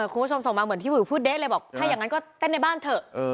คุณผู้ชมซงมาเมื่อที่ผู้เด้นเลยบอกถ้าอย่างงั้นก็เต้นในบ้านเถอะ